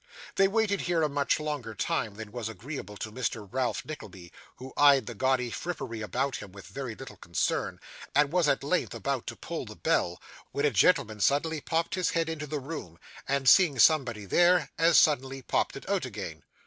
They waited here a much longer time than was agreeable to Mr. Ralph Nickleby, who eyed the gaudy frippery about him with very little concern, and was at length about to pull the bell, when a gentleman suddenly popped his head into the room, and, seeing somebody there, as suddenly popped it out again.